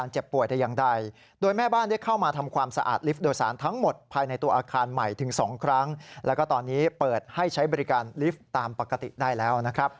ใช้บริการลิฟต์ตามปกติได้แล้วนะครับ